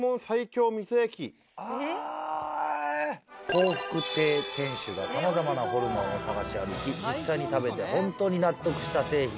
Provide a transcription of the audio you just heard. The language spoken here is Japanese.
「幸福亭店主がさまざまなホルモンを探し歩き実際に食べて本当に納得した製品。